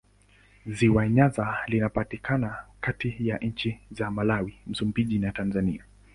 Ziwa Nyasa linapatikana kati ya nchi za Malawi, Msumbiji na Tanzania.